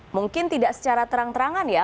mungkin tidak secara terang terangan ya